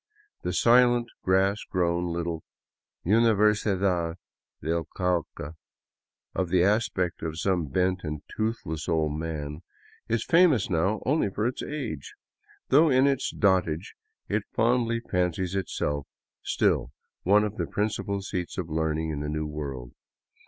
The silent grass grown little Universidad del Cauca," of the aspect of some bent and toothless old man, is famous now only for its age, though in its dotage it fondly fancies itself still one of the principal seats of learning in the New World.